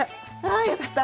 あよかった！